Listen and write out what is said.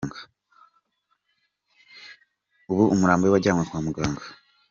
Ubu umurambo we wajyanywe kwa muganga.